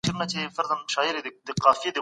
موږ بايد له بدو انډيوالانو ځان وساتو.